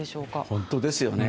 本当ですよね。